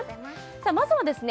まずはですね